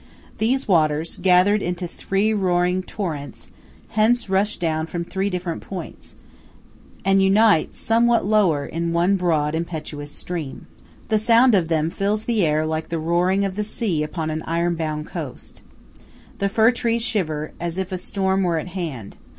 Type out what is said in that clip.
These waters, gathered into three roaring torrents, hence rush down from three different points, and unite somewhat lower in one broad impetuous stream. The sound of them fills the air like the roaring of the sea upon an ironbound coast. The fir trees shiver, as if a storm were at hand.